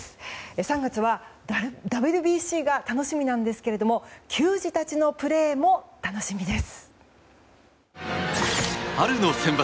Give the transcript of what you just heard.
３月はＷＢＣが楽しみなんですが球児たちのプレーも楽しみです！